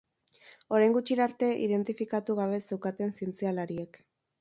Orain gutxira arte, identifikatu gabe zeukaten zientzialariek.